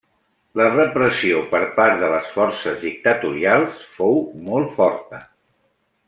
La repressió per part de les forces dictatorials fou molt forta.